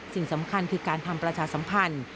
สิ่งสำคัญคือการทำประชาสัมพันธ์